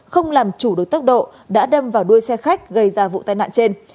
không làm chủ được tốc độ đã đâm vào đuôi xe khách gây ra vụ tai nạn trên